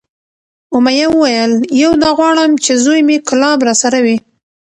امیه وویل: یو دا غواړم چې زوی مې کلاب راسره وی،